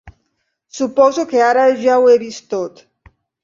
Suposo que ara ja ho he vist tot.